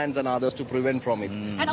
dan protokol ini baik pak